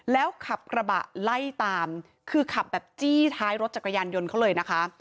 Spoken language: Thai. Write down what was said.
แล้วขับกระบะไล่ตามคือขับแบบจี้ท้ายรถจักรยานยนต์เขาเลยนะคะ